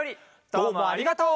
どうもありがとう！